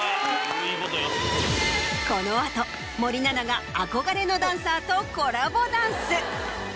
この後森七菜が憧れのダンサーとコラボダンス。